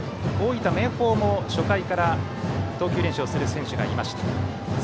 大分・明豊も初回から投球練習をする選手がいました。